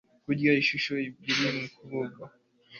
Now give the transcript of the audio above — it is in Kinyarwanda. Kurya inshuro ebyiri kubagabo